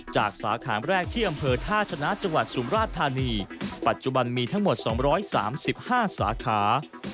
สาขาแรกที่อำเภอท่าชนะจังหวัดสุมราชธานีปัจจุบันมีทั้งหมด๒๓๕สาขา